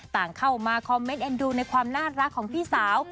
ต่างเข้ามาคอมเมนต์เอ็นดูในความน่ารักของพี่สาว